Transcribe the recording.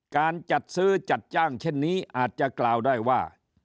การจัดซื้อจัดจ้างเช่นนี้อาจจะกล่าวได้ว่า